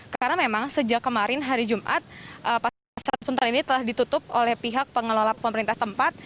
karena memang sejak kemarin hari jumat pasar sunter ini telah ditutup oleh pihak pengelola pemerintah tempat